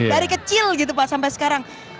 dari kecil gitu pak sampai sekarang